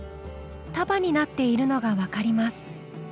束になっているのが分かります。